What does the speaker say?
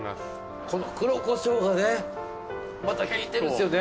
この黒コショウがねまた利いてるんですよね。